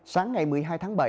sáng ngày một mươi hai tháng bảy